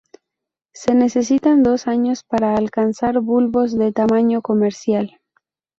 Se necesitan dos años para alcanzar bulbos de tamaño comercial.